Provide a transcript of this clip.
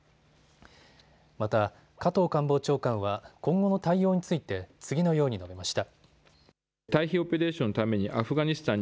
また、加藤官房長官は今後の対応について次のように述べました。